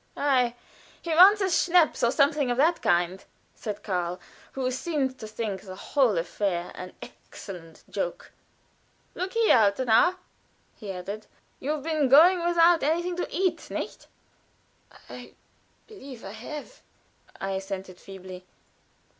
"Ei! he wants a schnapps, or something of the kind," said Karl, who seemed to think the whole affair an excellent joke. "Look here, alter Narr!" he added; "you've been going without anything to eat, nicht?" "I believe I have," I assented, feebly.